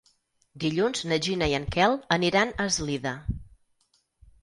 Dilluns na Gina i en Quel aniran a Eslida.